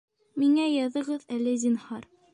Миңә яҙығыҙ әле, зинһар